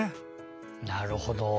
なるほど。